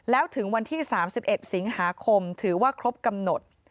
แล้วถึงวันที่๓๑สิงหาคมถือว่าครบกำหนด